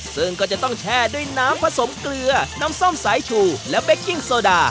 ซึ่งก็จะต้องแช่ด้วยน้ำผสมเกลือน้ำส้มสายชูและเป๊กกิ้งโซดา